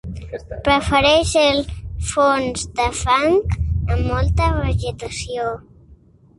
Prefereix els fons de fang amb molta vegetació.